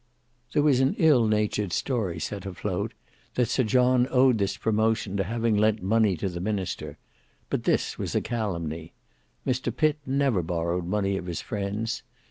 There was an ill natured story set afloat, that Sir John owed this promotion to having lent money to the minister; but this was a calumny. Mr Pitt never borrowed money of his friends.